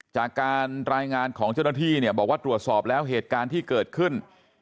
จากการรายงานของเจ้าหน้าที่เนี่ยบอกว่าตรวจสอบแล้วเหตุการณ์ที่เกิดขึ้น